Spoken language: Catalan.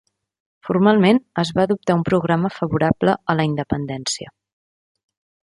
Formalment es va adoptar un programa favorable a la independència.